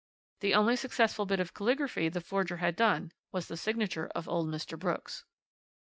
The only successful bit of caligraphy the forger had done was the signature of old Mr. Brooks.